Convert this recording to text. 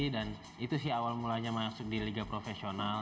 dan itu sih awal mulanya masuk di liga profesional